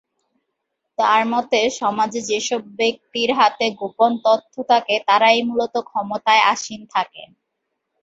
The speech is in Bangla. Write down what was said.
তার মতে, সমাজে যেসব ব্যক্তির হাতে গোপন তথ্য থাকে, তারাই মূলত ক্ষমতায় আসীন থাকেন।